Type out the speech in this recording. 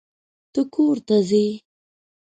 ته کور ته ځې.